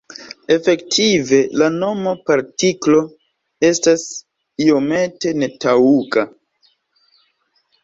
Efektive, la nomo "partiklo" estas iomete netaŭga.